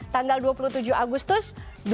tanggal dua puluh tujuh agustus dua ribu delapan belas